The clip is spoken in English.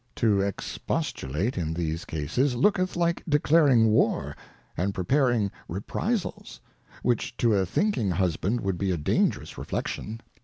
To expos tulate in these Cases, looketh like declaring War, and preparing Reprisals ; which to a thinking Husband would be a dangerous Reflexion.